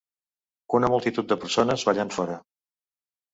Una multitud de persones ballant fora.